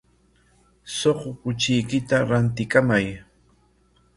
Suqu kuchiykita rantikamay.